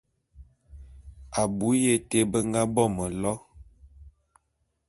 Abui ya été be nga bo mélo.